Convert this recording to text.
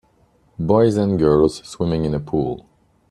boys and girls swimming in a pool.